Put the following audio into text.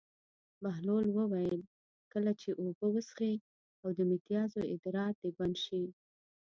بهلول وویل: کله چې اوبه وڅښې او د متیازو ادرار دې بند شي.